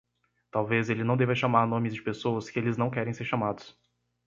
Talvez ele não deva chamar nomes de pessoas que eles não querem ser chamados.